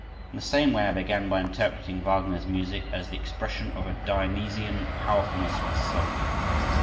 In the same way, I began by interpreting Wagner's music as the expression of a Dionysian powerfulness of soul.